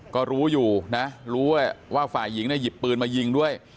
ก็รู้อยู่นะรู้ว่าฝ่ายหญิงเนี่ยหยิบปืนมายิงด้วย